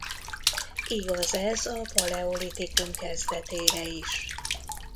Igaz ez a paleolitikum kezdetére is.